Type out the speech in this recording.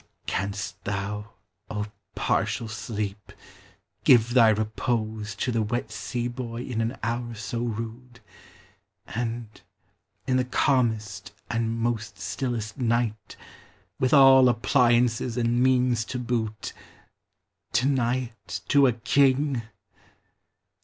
Canst thou, O partial sleep! give thy repose To the wet sea boy in an hour so rude ; And in the calmest and most stillest night, With all appliances and means to boot, Deny it to a king?